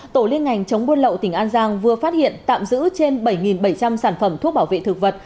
tổ liên ngành chống buôn lậu tỉnh an giang vừa phát hiện tạm giữ trên bảy bảy trăm linh sản phẩm thuốc bảo vệ thực vật